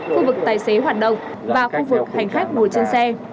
khu vực tài xế hoạt động và khu vực hành khách ngồi trên xe